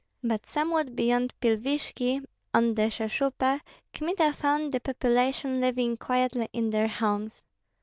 But somewhat beyond Pilvishki on the Sheshupa, Kmita found the population living quietly in their homes.